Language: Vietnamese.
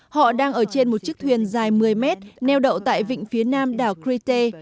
họ đang ở trên một chiếc thuyền dài một mươi mét neo đậu tại vịnh phía nam đảo crite